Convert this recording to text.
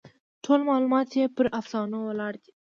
ټول معلومات یې پر افسانو ولاړ دي.